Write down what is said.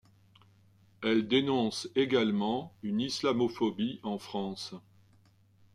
Elle dénonce également une islamophobie en France.